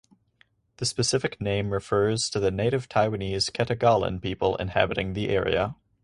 The specific name refers to the native Taiwanese Ketagalan people inhabiting the area.